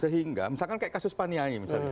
sehingga misalkan kayak kasus paniai misalnya